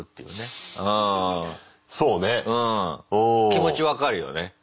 気持ち分かるよね。